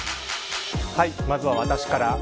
まずは私から。